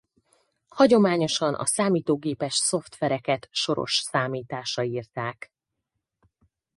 Hagyományosan a számítógépes szoftvereket soros számításra írták.